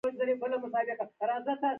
اخبار چاپ نه شو.